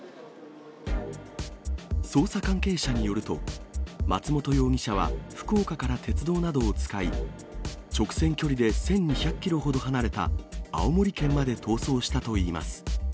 捜査関係者によると、松本容疑者は福岡から鉄道などを使い、直線距離で１２００キロほど離れた青森県まで逃走したといいます。